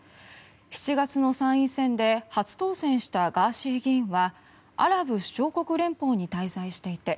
７月の参院選で初当選したガーシー議員はアラブ首長国連邦に滞在していて